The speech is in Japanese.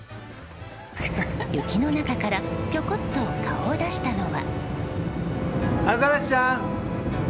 雪の中からぴょこっと顔を出したのは。